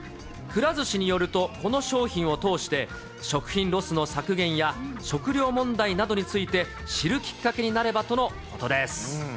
くら寿司によると、この商品を通して、食品ロスの削減や、食料問題などについて、知るきっかけになればとのことです。